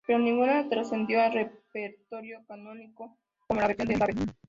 Pero ninguna trascendió al repertorio canónico como la versión de Ravel.